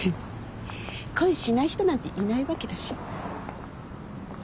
恋しない人なんていないわけだし。